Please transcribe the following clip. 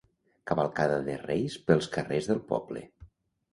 Cavalcada de Reis pels carrers del poble.